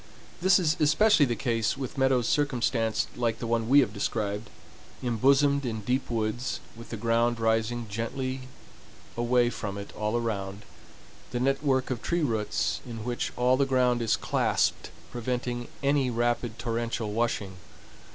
This is especially the case with meadows circumstanced like the one we have described—embosomed in deep woods, with the ground rising gently away from it all around, the network of tree roots in which all the ground is clasped preventing any rapid torrential washing.